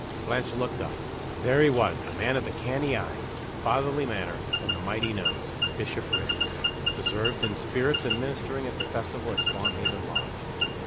Blanche looked up. There he was the man of the canny eye, the fatherly manner, and the mighty nose Bishopriggs preserved in spirits and ministering at the festival at Swanhaven Lodge!